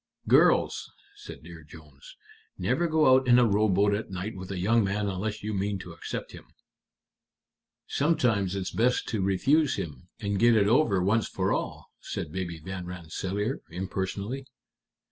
"Girls," said Dear Jones, "never go out in a rowboat at night with a young man unless you mean to accept him." "Sometimes it's best to refuse him, and get it over once for all," said Baby Van Rensselaer, impersonally.